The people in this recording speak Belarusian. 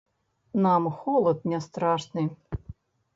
Нам холад не страшны.